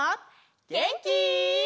げんき？